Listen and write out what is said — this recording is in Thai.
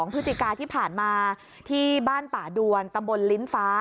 พฤศจิกาที่ผ่านมาที่บ้านป่าดวนตำบลลิ้นฟ้า